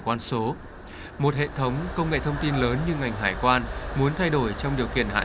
quan số một hệ thống công nghệ thông tin lớn như ngành hải quan muốn thay đổi trong điều kiện hạn